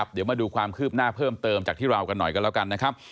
เดี๋ยวมาดูความคืบหน้าเพิ่มเติมจากที่เรากันหน่อยกันแล้วกันนะครับ